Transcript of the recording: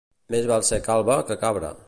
Més val ser calba que cabra.